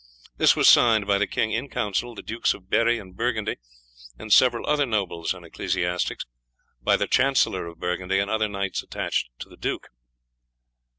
This was signed by the king in council, the Dukes of Berri and Burgundy, and several other nobles and ecclesiastics, by the Chancellor of Burgundy, and other knights attached to the duke.